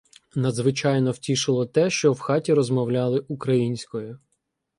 Надзвичайно втішило те, що в хаті розмовляли українською.